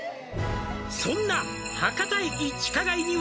「そんな博多駅地下街には」